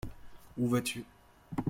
Où vas-tu ?